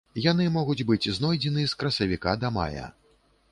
Яны могуць быць знойдзены з красавіка да мая.